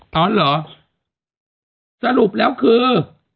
ตอนไหนอ่ะอ๋อเหรอสรุปแล้วคือ